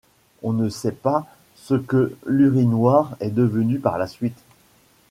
On ne sait pas ce que l'urinoir est devenu par la suite.